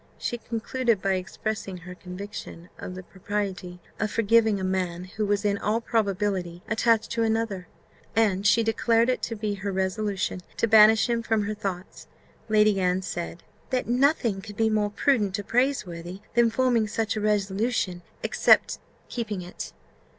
She concluded by expressing her conviction of the propriety of forgetting a man, who was in all probability attached to another, and she declared it to be her resolution to banish him from her thoughts. Lady Anne said, "that nothing could be more prudent or praiseworthy than forming such a resolution except keeping it."